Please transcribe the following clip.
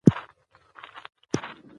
احمدشاه بابا به د ملت د سرلوړی دعا کوله.